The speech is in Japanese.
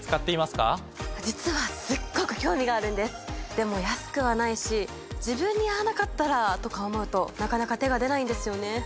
でも安くはないし自分に合わなかったらとか思うとなかなか手が出ないんですよね。